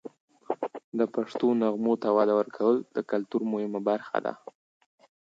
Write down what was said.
د پښتو نغمو ته وده ورکول د کلتور مهمه برخه ده.